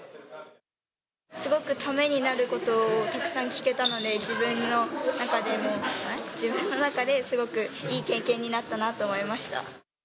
すごくためになることをたくさん聞けたので、自分の中でも、自分の中ですごくいい経験になったなと思いました。